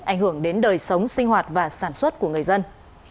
ảnh hưởng đến đời sống sinh hoạt và sản xuất của người dân